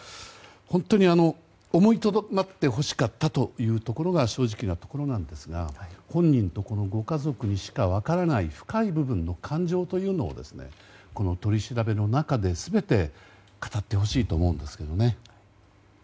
本当に思いとどまってほしかったというところが正直なところなんですが本人とご家族にしか分からない深い部分の感情というのをこの取り調べの中で、全て語ってほしいと思うんですけどね。